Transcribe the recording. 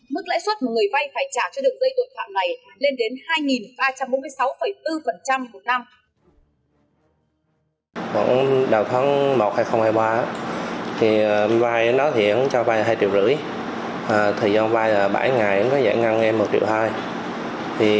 mức lãi suất mà người vay phải trả cho đường dây tội phạm này lên đến hai ba trăm bốn mươi sáu bốn một năm